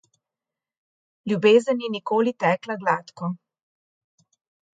Ljubezen ni nikoli tekla gladko.